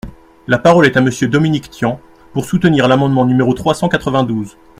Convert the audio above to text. La parole est à Monsieur Dominique Tian, pour soutenir l’amendement numéro trois cent quatre-vingt-douze.